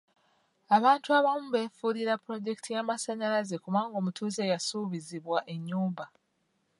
Abantu abamu beefuulira pulojekiti y'amasanyalaze kubanga omutuuze yasuubizibwa ennyumba.